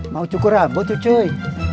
mau cukur abu tuh cuy